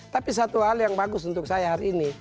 tapi satu hal yang bagus untuk saya hari ini